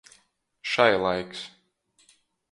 Šailaiks.